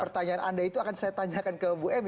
pertanyaan anda itu akan saya tanyakan ke bu emi